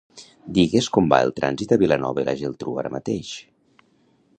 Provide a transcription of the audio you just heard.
Digues com va el trànsit a Vilanova i la Geltrú ara mateix.